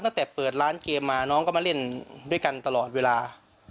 ตั้งแต่เปิดร้านเกมมาน้องก็มาเล่นด้วยกันตลอดเวลา